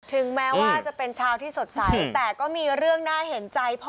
ถึงแม้ว่าจะเป็นชาวที่สดใสแต่ก็มีเรื่องน่าเห็นใจพ่อ